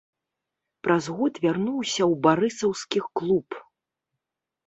Праз год вярнуўся ў барысаўскі клуб.